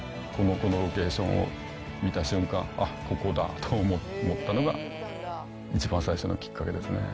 このロケーションを見た瞬間、あっ、ここだと思ったのが、一番最初のきっかけですね。